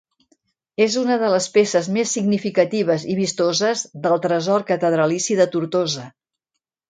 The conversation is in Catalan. És una de les peces més significatives i vistoses del tresor catedralici de Tortosa.